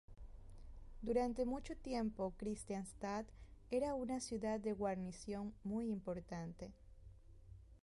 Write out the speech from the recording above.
Durante mucho tiempo Kristianstad era una ciudad de guarnición muy importante.